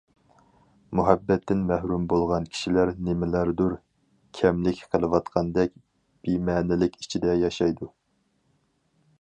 مۇھەببەتتىن مەھرۇم بولغان كىشىلەر نېمىلەردۇر كەملىك قېلىۋاتقاندەك بىمەنىلىك ئىچىدە ياشايدۇ.